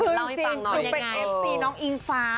คือเป็นเอฟซีน้องอิงฟ้า